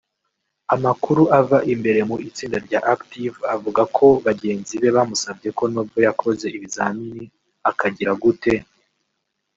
Amakuru ava imbere mu itsinda rya Active avuga ko bagenzi be bamusabye ko nubwo yakoze ibizamini akagira gute